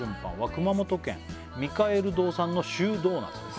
「熊本県ミカエル堂さんのシュードーナツです」